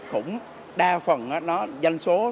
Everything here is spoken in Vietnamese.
cũng đa phần nó danh số